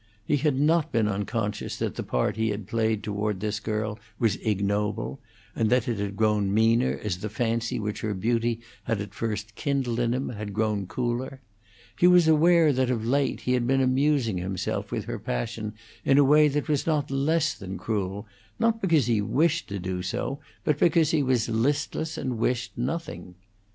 He had not been unconscious that the part he had played toward this girl was ignoble, and that it had grown meaner as the fancy which her beauty had at first kindled in him had grown cooler. He was aware that of late he had been amusing himself with her passion in a way that was not less than cruel, not because he wished to do so, but because he was listless and wished nothing.